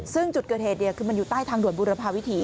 ซึ่งจุดเกิดเหตุคือมันอยู่ใต้ทางด่วนบุรพาวิถี